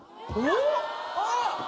あっ！